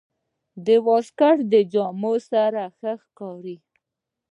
واسکټ د جامو سره ښه ښکاري.